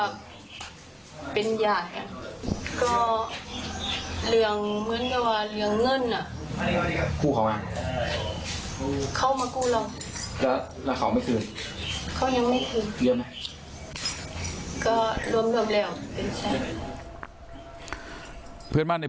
เข้ามากูบาลอย่างนั้น